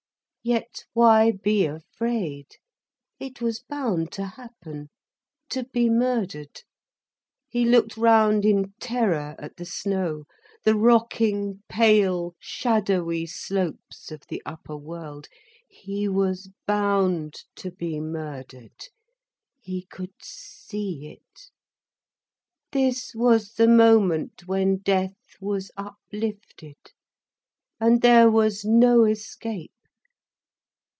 Yet why be afraid? It was bound to happen. To be murdered! He looked round in terror at the snow, the rocking, pale, shadowy slopes of the upper world. He was bound to be murdered, he could see it. This was the moment when the death was uplifted, and there was no escape.